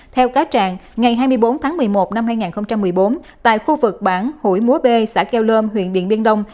theo cáo trạng ngày hai mươi bốn tháng một mươi một năm hai nghìn một mươi bốn tại khu vực bản hủy múa b xã keom huyện điện biên đông